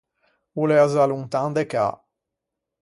O l’ea za lontan de cà.